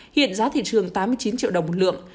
hiện giá thị trường tám mươi chín triệu đồng một lượng